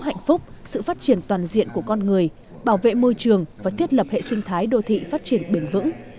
hạnh phúc sự phát triển toàn diện của con người bảo vệ môi trường và thiết lập hệ sinh thái đô thị phát triển bền vững